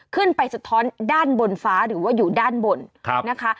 สะท้อนด้านบนฟ้าหรือว่าอยู่ด้านบนนะคะ